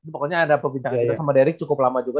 pokoknya ada perbincangan kita sama derick cukup lama juga